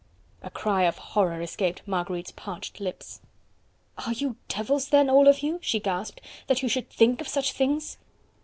A cry of horror escaped Marguerite's parched lips. "Are you devils then, all of you," she gasped, "that you should think of such things?"